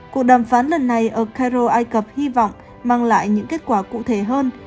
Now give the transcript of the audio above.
cuộc đàm phán lần này ở cairo ai cập hy vọng mang lại những kết quả cụ thể hơn